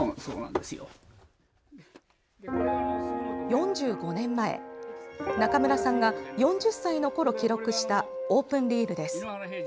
４５年前、中村さんが４０歳のころ記録したオープンリールです。